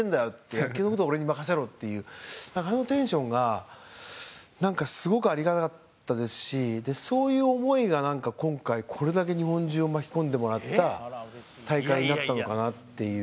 「野球の事は俺に任せろ」っていうあのテンションがすごくありがたかったですしそういう思いが今回これだけ日本中を巻き込んでもらった大会になったのかなっていう。